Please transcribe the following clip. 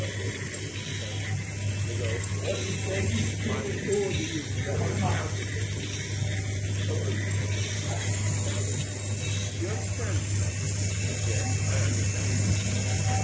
I tried an experiment. "Migul, I order you to let us out of here." The Robot stood inert. "Do you understand me?" "Yes, I understand you."